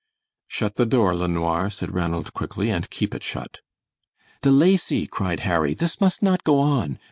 "Shut the door, LeNoir," said Ranald, quickly, "and keep it shut." "De Lacy," cried Harry, "this must not go on!